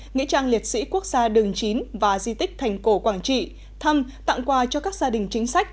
nghĩa trang liệt sĩ quốc gia đường chín và di tích thành cổ quảng trị thăm tặng quà cho các gia đình chính sách